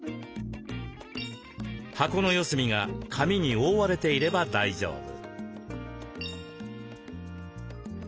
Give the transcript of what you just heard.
箱の四隅が紙に覆われていれば大丈夫。